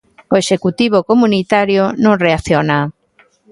O executivo comunitario non reacciona.